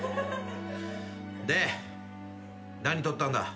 で何取ったんだ？